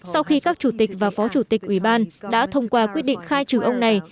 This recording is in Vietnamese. sau khi các chủ tịch và phó chủ tịch ủy ban đã thông qua quyết định khai trừ ông này